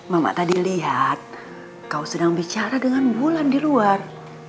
mama tadi lihat kau sedang bicara dengan bulan di luar